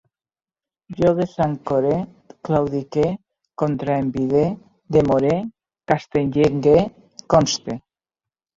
Jo desancore, claudique, contraenvide, demore, cantellege, conste